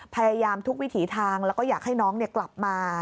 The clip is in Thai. พยายามทุกวิถีทางแล้วก็อยากให้น้องกลับมา